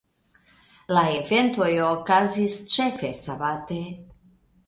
La eventoj okazis ĉefe sabate.